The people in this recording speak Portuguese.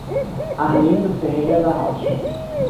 Arlindo Ferreira da Rocha